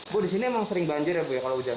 bu di sini emang sering banjir ya bu ya kalau hujan